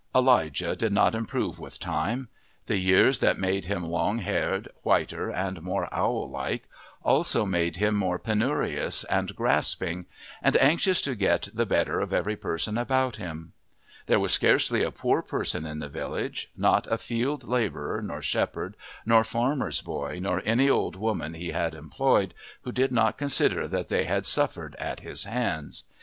Elijah did not improve with time; the years that made him long haired, whiter, and more owl like also made him more penurious and grasping, and anxious to get the better of every person about him. There was scarcely a poor person in the village not a field labourer nor shepherd nor farmer's boy, nor any old woman he had employed, who did not consider that they had suffered at his hands.